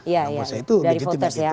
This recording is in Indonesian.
ya dari voters ya